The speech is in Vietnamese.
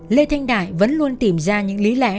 lê thanh đại vẫn luôn tìm ra những lý lẽ